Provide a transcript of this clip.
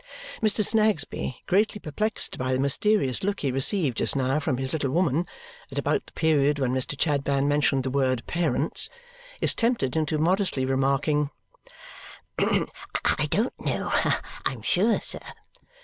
Mr. Snagsby, greatly perplexed by the mysterious look he received just now from his little woman at about the period when Mr. Chadband mentioned the word parents is tempted into modestly remarking, "I don't know, I'm sure, sir."